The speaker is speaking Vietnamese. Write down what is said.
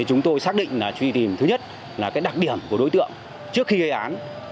chúng tôi xác định là truy tìm thứ nhất là đặc điểm của đối tượng trước khi gây án